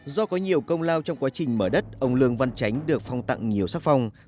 do có nhiều công lao trong quá trình mở đất ông lương văn chánh được phong tặng nhiều sắc phong